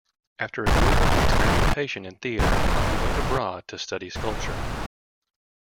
After a year of experimention in theatre, he went abroad to study sculpture.